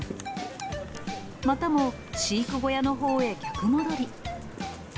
またも飼育小屋のほうへ逆戻り。